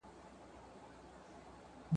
ښوونکی زدهکوونکي د ځان پیژندنې مهارت ته هڅوي.